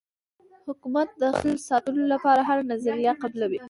حکومت د خپل ساتلو لپاره هره نظریه قبلوي.